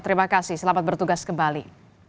terima kasih selamat bertugas kembali